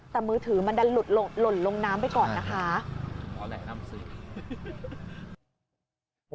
แต่มือถือมันดันหลุดหล่นหล่นลงน้ำไปก่อนนะคะ